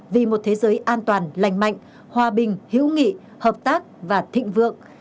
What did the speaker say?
vì một thế giới an toàn lành mạnh hòa bình hữu nghị hợp tác và thịnh vượng